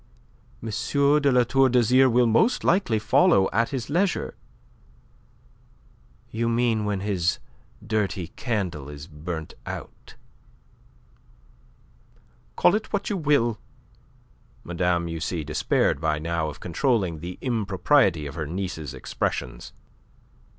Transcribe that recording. M. de La Tour d'Azyr will most likely follow at his leisure." "You mean when this dirty candle is burnt out?" "Call it what you will." Madame, you see, despaired by now of controlling the impropriety of her niece's expressions.